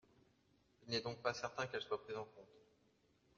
Il n’est donc pas certains qu’elles soient prises en compte.